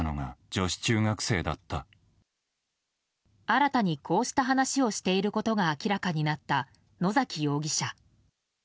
新たにこうした話をしていることが明らかになった野崎容疑者。